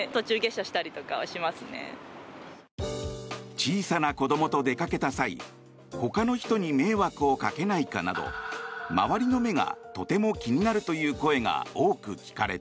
小さな子どもと出かけた際ほかの人に迷惑をかけないかなど周りの目がとても気になるという声が多く聞かれた。